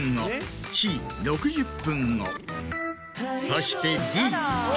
そしてＤ。